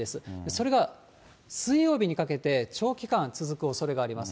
それが水曜日にかけて、長期間続くおそれがあります。